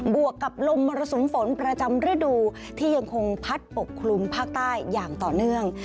วกกับลมมรสุมฝนประจำฤดูที่ยังคงพัดปกคลุมภาคใต้อย่างต่อเนื่อง